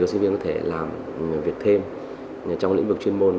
sinh viên có thể làm việc thêm trong lĩnh vực chuyên môn